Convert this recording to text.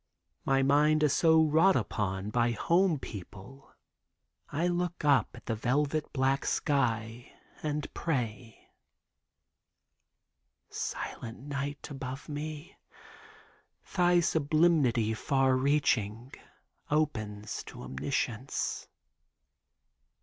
My mind so wrought upon by home people I look up at the velvet black sky, and pray: Silent night! Above me Thy sublimity far reaching Opens to Omniscience!